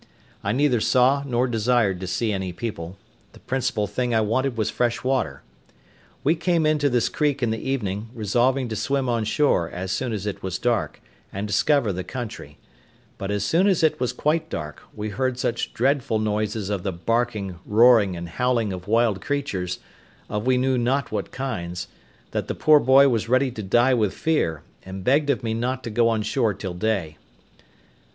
I neither saw, nor desired to see any people; the principal thing I wanted was fresh water. We came into this creek in the evening, resolving to swim on shore as soon as it was dark, and discover the country; but as soon as it was quite dark, we heard such dreadful noises of the barking, roaring, and howling of wild creatures, of we knew not what kinds, that the poor boy was ready to die with fear, and begged of me not to go on shore till day.